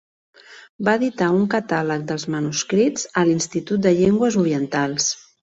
Va editar un catàleg dels manuscrits a l'Institut de Llengües Orientals.